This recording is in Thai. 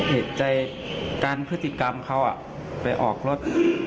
เหตุใจกันพฤติกรรมเขาไปออกรถ